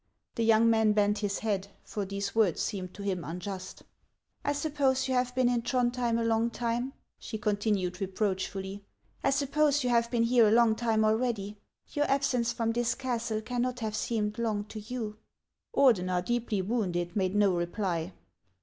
The young man bent his head, for these words seemed to him unjust. " I suppose you have been in Throndhjem a long time," she continued reproachfully, " I suppose you have been here a long time already ? Your absence from this castle cannot have seemed long to you." Ordener, deeply wounded, made no reply.